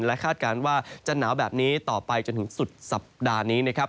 และคาดการณ์ว่าจะหนาวแบบนี้ต่อไปจนถึงสุดสัปดาห์นี้นะครับ